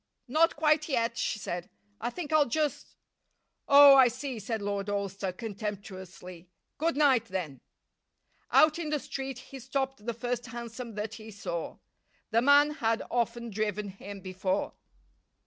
"Not quite yet," she said. "I think I'll just " "Oh! I see," said Lord Alcester, contemptuously. "Good night, then." Out in the street he stopped the first hansom that he saw. The man had often driven him before.